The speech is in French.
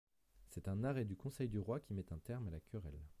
C'est un arrêt du Conseil du roi qui met un terme à la querelle.